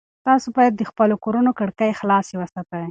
تاسي باید د خپلو کورونو کړکۍ خلاصې وساتئ.